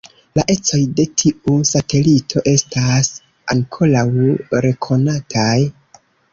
La ecoj de tiu satelito estas ankoraŭ nekonataj.